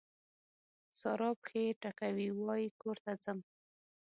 سارا پښې ټکوي؛ وای کور ته ځم.